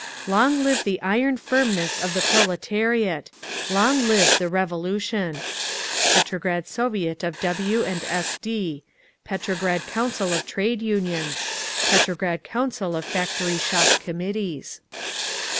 "LONG LIVE THE IRON FIRMNESS OF THE PROLETARIAT! LONG LIVE THE REVOLUTION!" Petrograd Soviet of W. & S. D. Petrograd Council of Trade Unions. _Petrograd Council of Factory Shop Committees.